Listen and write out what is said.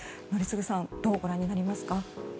宜嗣さんどうご覧になりますか？